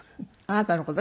あなたの事？